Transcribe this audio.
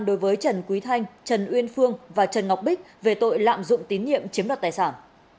đối với trần quý thanh trần uyên phương và trần ngọc bích về tội lạm dụng tín nhiệm chiếm đoạt tài sản